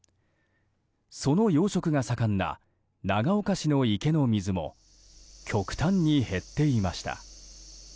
その養殖が盛んな長岡市の池の水も極端に減っていました。